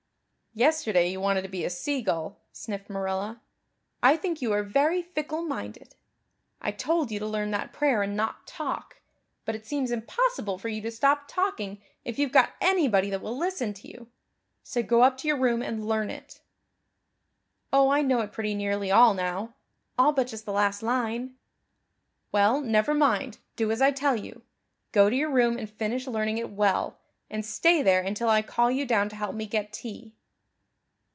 "Yesterday you wanted to be a sea gull," sniffed Marilla. "I think you are very fickle minded. I told you to learn that prayer and not talk. But it seems impossible for you to stop talking if you've got anybody that will listen to you. So go up to your room and learn it." "Oh, I know it pretty nearly all now all but just the last line." "Well, never mind, do as I tell you. Go to your room and finish learning it well, and stay there until I call you down to help me get tea."